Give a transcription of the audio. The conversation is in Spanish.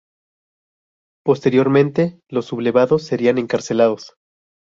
Posteriormente, los sublevados, serían encarcelados.